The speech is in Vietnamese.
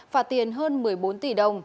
phạt tiền hơn một mươi bốn tỷ đồng